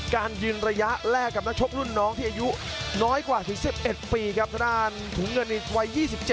การยืนระยะแรกกับนักชกรุ่นน้องที่อายุน้อยกว่าถึง๑๑ปีครับทางด้านถุงเงินในวัย๒๗